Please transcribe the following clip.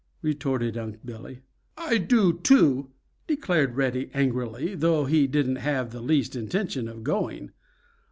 retorted Unc' Billy. "I do too!" declared Reddy angrily, though he didn't have the least intention of going.